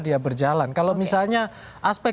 dia berjalan kalau misalnya aspek